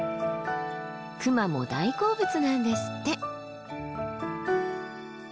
クマも大好物なんですって。